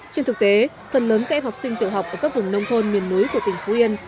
trên thực tế phần lớn các em học sinh tiểu học ở các vùng nông thôn miền núi của tỉnh phú yên